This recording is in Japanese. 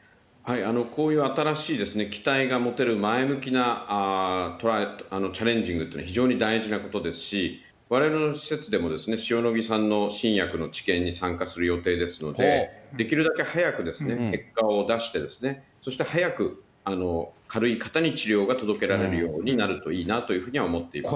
こういう新しい期待が持てる前向きなチャレンジングというのは大事なことですし、われわれの施設でも塩野義さんの新薬の治験に参加する予定ですので、できるだけ早く結果を出して、そして早く、軽い方に治療が届けられるようになればいいなと思っています。